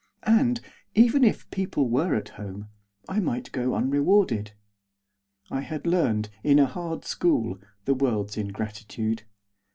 And, even if the people were at home, I might go unrewarded. I had learned, in a hard school, the world's ingratitude.